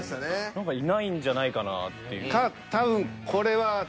何かいないんじゃないかなって。